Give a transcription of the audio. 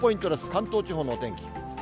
関東地方のお天気。